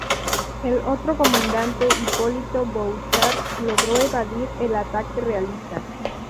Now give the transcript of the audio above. El otro comandante, Hipólito Bouchard, logró evadir el ataque realista.